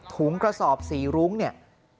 ถุงกระสอบสีรุ้งเนี่ย